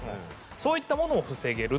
そういったものを防げると。